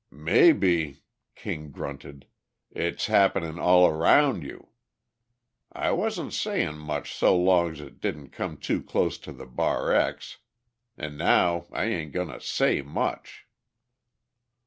"Mebbe," King grunted. "It's happenin' all aroun' you. I wasn't sayin' much so long's it didn't come too close the Bar X. An' now I ain't goin' to say much."